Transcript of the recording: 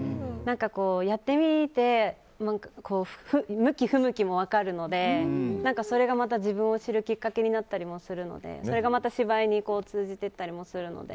やってみて向き、不向きも分かるのでそれがまた自分を知るきっかけになったりもするのでそれがまた芝居に通じていったりもするので。